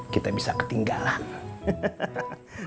kita bisa ketinggalan